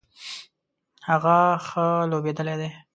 هغه ښه لوبیدلی دی